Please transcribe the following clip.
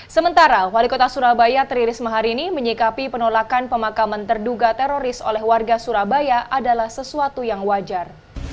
sementara wali kota surabaya tri risma hari ini menyikapi penolakan pemakaman terduga teroris oleh warga surabaya adalah sesuatu yang wajar